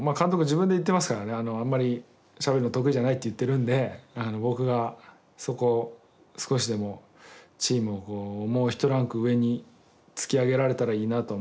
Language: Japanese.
自分で言ってますからねあんまりしゃべるの得意じゃないって言ってるんで僕がそこを少しでもチームをもう一ランク上に突き上げられたらいいなと思ってます。